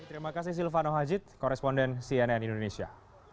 terima kasih silvano hajid koresponden cnn indonesia